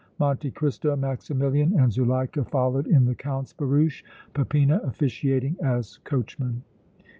Monte Cristo, Maximilian and Zuleika followed in the Count's barouche, Peppino officiating as coachman.